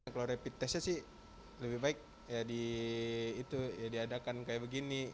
kalau repitesnya sih lebih baik diadakan kayak begini